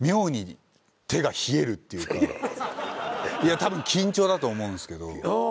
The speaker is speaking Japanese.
たぶん緊張だと思うんですけど。